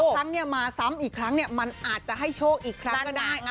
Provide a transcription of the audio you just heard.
ครั้งนี้มาซ้ำอีกครั้งมันอาจจะให้โชคอีกครั้งก็ได้